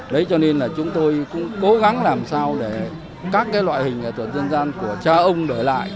đấy cho nên là chúng tôi cũng cố gắng làm sao để các loại hình nghệ thuật dân gian của cha ông đổi lại